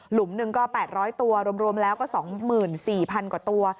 หนึ่งก็๘๐๐ตัวรวมแล้วก็๒๔๐๐๐กว่าตัว